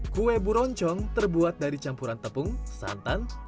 kue buroncok terbuat dari campuran tepung serta kue pancong